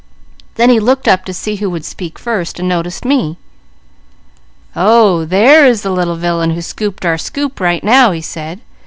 Then he looked up to see who would speak first, and noticed me. 'Oh there is the little villain who scooped our scoop, right now,' he said.